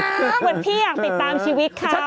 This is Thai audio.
แต่ควรพี่อยากติดตามชีวิตเขาไหม